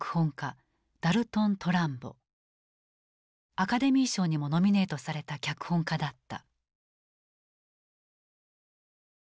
アカデミー賞にもノミネートされた脚本家だった。